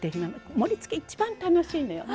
盛りつけ、一番楽しいのよね。